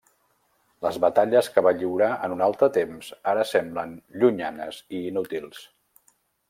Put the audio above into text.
Les batalles que va lliurar en un altre temps ara semblen llunyanes i inútils.